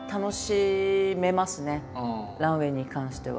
ランウエイに関しては。